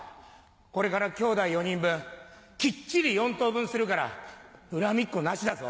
これからきょうだい４人分きっちり４等分するから恨みっこなしだぞ。